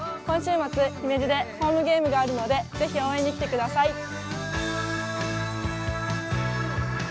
今週末姫路でホームゲームがあるのでぜひ応援に来てください。